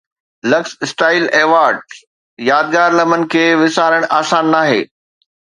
Luxe Style Awards يادگار لمحن کي وسارڻ آسان ناهي